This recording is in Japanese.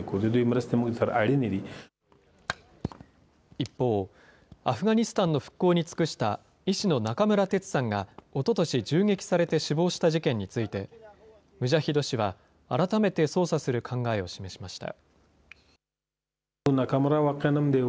一方、アフガニスタンの復興に尽くした医師の中村哲さんが、おととし、銃撃されて死亡した事件について、ムジャヒド氏は、改めて捜査する考えを示しました。